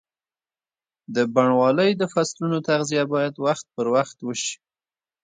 د بڼوالۍ د فصلونو تغذیه باید وخت پر وخت وشي.